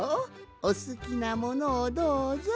おすきなものをどうぞ。